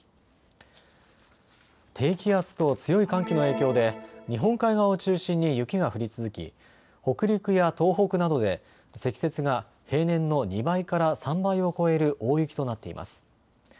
低気圧と強い寒気の影響で日本海側を中心に雪が降り続き北陸や東北などで積雪が平年の２倍から３倍を超える大雪となっています。